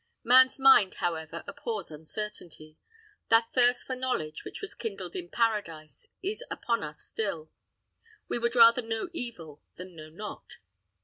Man's mind, however, abhors uncertainty. That thirst for knowledge which was kindled in Paradise is upon us still. We would rather know evil than know not.